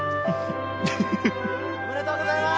おめでとうございます！